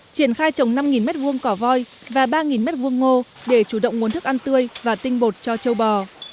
triển khai trồng năm mét vuông cỏ voi và ba mét vuông ngô để chủ động nguồn thức ăn tươi và tinh bột cho châu bò